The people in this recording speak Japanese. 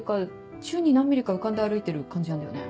宙に何ミリか浮かんで歩いてる感じなんだよね。